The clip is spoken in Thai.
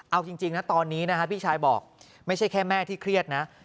เอาจริงนะตอนนี้นะฮะพี่ชายบอกไม่ใช่แค่แม่ที่เครียดนะ